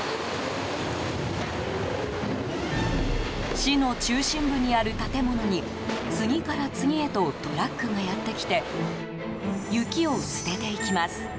市の中心部にある建物に次から次へとトラックがやってきて雪を捨てていきます。